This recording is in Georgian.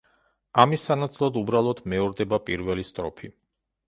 ამის სანაცვლოდ უბრალოდ მეორდება პირველი სტროფი.